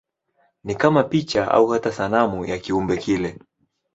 Ni kama picha au hata sanamu ya kiumbe kile.